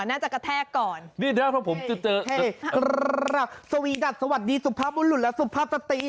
น่าจะกระแทกก่อนนี่แหละเพราะผมเจอเฮ้สวีดัสสวัสดีสุภาพอุ่นหลุ่นและสุภาพสตรี